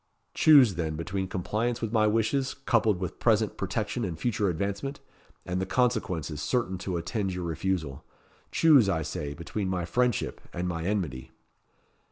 Choose, then, between compliance with my wishes, coupled with present protection and future advancement, and the consequences certain to attend your refusal. Choose, I say, between my friendship and my enmity."